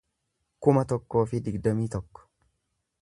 kuma tokkoo fi digdamii tokko